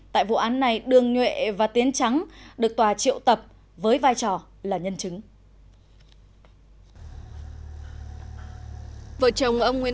tại vụ án này đương nhuệ và tiến trắng được tòa triệu tập với vai trò là nhân chứng